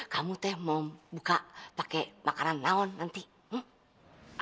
kamu teh mau buka pakai makanan naon nanti hm